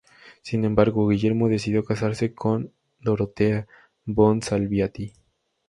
Sin embargo, Guillermo decidió casarse con Dorothea von Salviati.